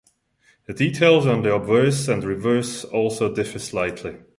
The details on the obverse and reverse also differ slightly.